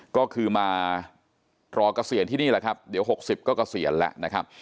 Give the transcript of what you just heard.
ก็คือมารอเกษียณที่นี่แหละครับเดี๋ยว๖๐ก็เกษียณแล้วนะครับ